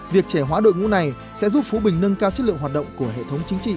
việc trẻ hóa đội ngũ này sẽ giúp phú bình nâng cao chất lượng hoạt động của hệ thống chính trị ở cơ sở